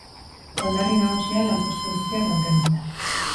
Aldarri nagusia, lanpostu guztiak mantentzea.